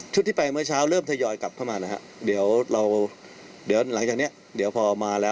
ชุดที่ไปเมื่อเช้าเริ่มทยอยกลับเข้ามานะครับ